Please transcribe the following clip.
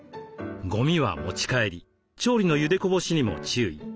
ゴミは持ち帰り調理のゆでこぼしにも注意。